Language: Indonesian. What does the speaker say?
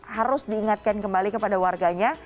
harus diingatkan kembali kepada warganya